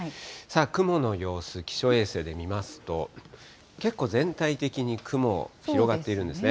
雲の様子、気象衛星で見ますと、結構全体的に雲が広がっているんですね。